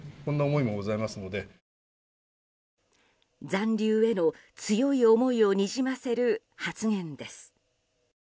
残留への強い思いをにじませる発言です。